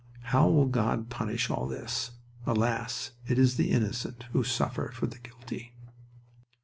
"How will God punish all this? Alas! it is the innocent who suffer for the guilty."